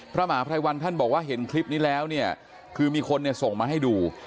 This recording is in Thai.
พระมหาพรายวันท่านบอกว่าเห็นคลิปนี้แล้วคือมีคนส่งมาให้ดู